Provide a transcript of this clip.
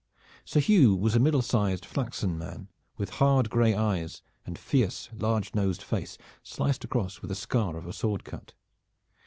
Sir Hugh was a middle sized flaxen man, with hard gray eyes and fierce large nosed face sliced across with the scar of a sword cut.